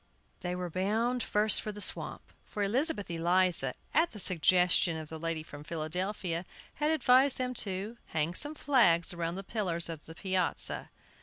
They were bound first for the swamp, for Elizabeth Eliza, at the suggestion of the lady from Philadelphia, had advised them to hang some flags around the pillars of the piazza.